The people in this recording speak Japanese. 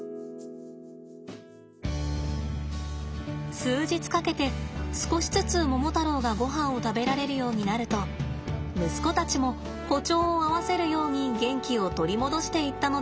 数日かけて少しずつモモタロウがごはんを食べられるようになると息子たちも歩調を合わせるように元気を取り戻していったのだそうで。